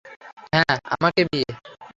হ্যাঁ, আমাকে বিয়ে?